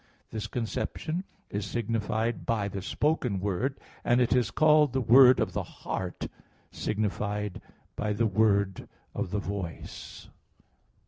This conception is signified by the spoken word; and it is called the word of the heart signified by the word of the voice.